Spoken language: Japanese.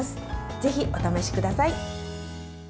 ぜひ、お試しください。